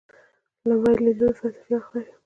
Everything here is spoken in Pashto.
لومړی لیدلوری فلسفي اړخ لري.